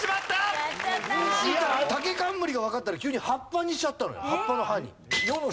たけかんむりがわかったら急に葉っぱにしちゃったのよ。